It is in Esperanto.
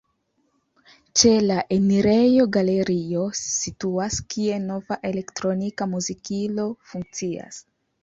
Ĉe la enirejo galerio situas, kie nova elektronika muzikilo funkcias.